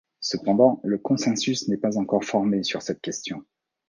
Cependant, le consensus n'est pas encore formé sur cette question.